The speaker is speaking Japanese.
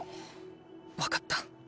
わかった。